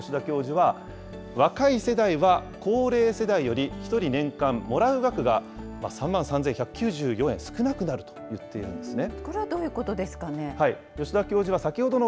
こうしたことが影響して、吉田教授は若い世代は高齢世代より、１人年間もらう額が、３万３１９４円少なくなると言っているんですね。